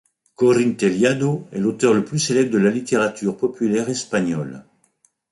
Corín Tellado est l'auteur le plus célèbre de la littérature populaire espagnole.